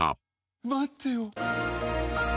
待ってよ。